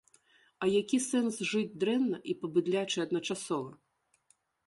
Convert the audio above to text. А які сэнс жыць дрэнна і па-быдлячы адначасова?